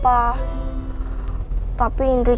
semua agak boldo ini